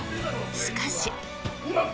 しかし。